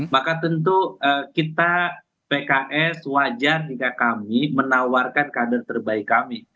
maka tentu kita pks wajar jika kami menawarkan kader terbaik kami